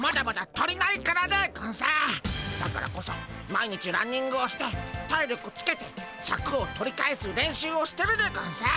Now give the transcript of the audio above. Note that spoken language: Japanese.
だからこそ毎日ランニングをして体力つけてシャクを取り返す練習をしてるでゴンス。